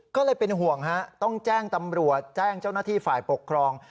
ก็เลยเป็นห่วงฮะต้องแจ้งตำรวจแจ้งเจ้าหน้าที่ฝ่ายปกครอง